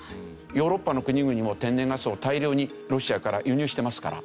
ヨーロッパの国々も天然ガスを大量にロシアから輸入してますから。